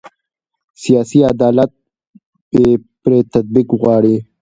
سیاسي عدالت بې پرې تطبیق غواړي